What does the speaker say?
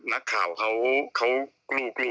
เพราะว่าภาข่าวเค้ากลุล